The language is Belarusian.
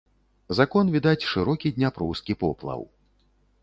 З акон відаць шырокі дняпроўскі поплаў.